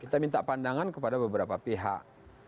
kita minta pandangan kepada beberapa pihak